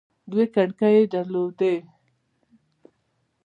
دوې کړکۍ يې در لودې.